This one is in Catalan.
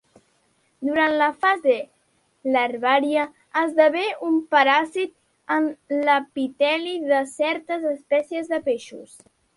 Durant la fase larvària esdevé un paràsit en l'epiteli de certes espècies de peixos.